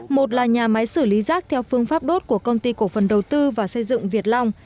một là nhà máy xử lý rác theo phương pháp đốt của công ty cổ phần đầu tư và xây dựng việt long